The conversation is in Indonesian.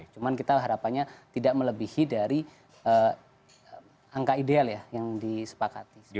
cuma kita harapannya tidak melebihi dari angka ideal ya yang disepakati